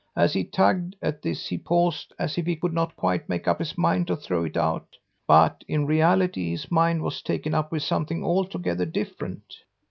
As he tugged at this he paused, as if he could not quite make up his mind to throw it out; but, in reality, his mind was taken up with something altogether different.